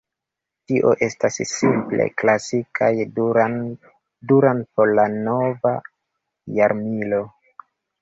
Tio estas simple "klasikaj Duran Duran por la nova jarmilo".